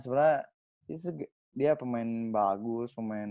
sebenarnya dia pemain bagus